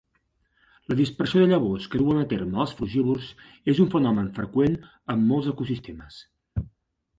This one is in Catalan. La dispersió de llavors que duen a terme els frugívors és un fenomen freqüent en molts ecosistemes.